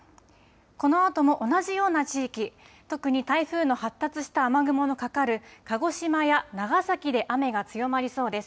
このあとも同じような地域、特に台風の発達した雨雲のかかる鹿児島や長崎で雨が強まりそうです。